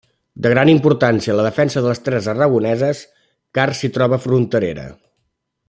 De gran importància en la defensa de les terres aragoneses, car s'hi troba fronterera.